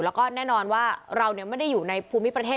แล้วก็แน่นอนว่าเราไม่ได้อยู่ในภูมิประเทศ